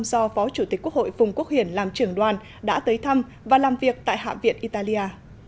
do phó chủ tịch quốc hội phùng quốc hiển làm trưởng đoàn đã tới thăm và làm việc tại hạ viện italia